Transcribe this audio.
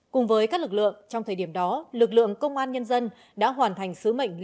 cùng với các lực lượng trong thời điểm đó lực lượng công an nhân dân đã hoàn thành sứ mệnh liên lạc